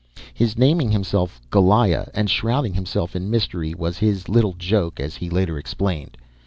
His naming himself "Goliah" and shrouding himself in mystery was his little joke, he later explained.